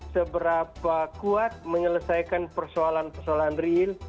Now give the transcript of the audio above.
seberapa kuat menyelesaikan persoalan persoalan real